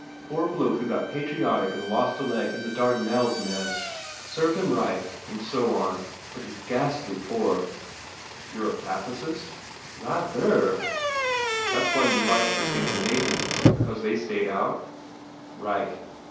Poor bloke who got patriotic and lost a leg in the Dardanelles mess. Serve him right and so on but he s ghastly poor." "You a pacifist?" "Rather!" "That s why you like the Scandinavians? Be cause they stayed out?" "Right.